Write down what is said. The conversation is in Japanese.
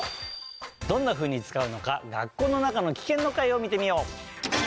どんなふうにつかうのか「学校の中のキケン」の回を見てみよう。